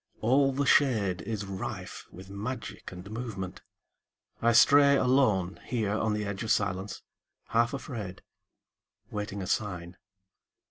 All the shadeIs rife with magic and movement. I stray aloneHere on the edge of silence, half afraid, Waiting a sign.